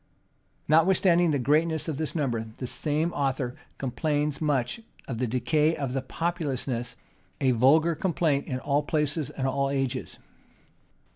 Notwithstanding the greatness of this number, the same author complains much of the decay of populousness; a vulgar complaint in all places and all ages.